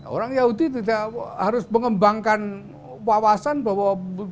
orang yahudi tidak harus mengembangkan wawasan bahwa